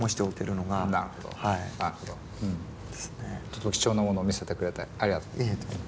ちょっと貴重なものを見せてくれてありがとう。